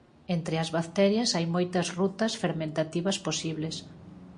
Entre as bacterias hai moitas rutas fermentativas posibles.